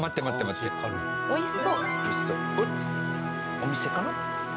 お店かな？